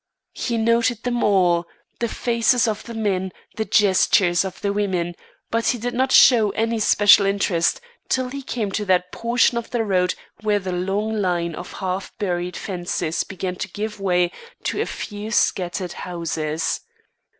He noted them all; the faces of the men, the gestures of the women; but he did not show any special interest till he came to that portion of the road where the long line of half buried fences began to give way to a few scattered houses.